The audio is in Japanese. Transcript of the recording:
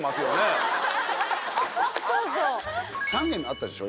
３軒あったでしょ